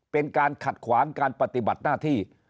เป็นการขัดขวางการปฏิบัติหน้าที่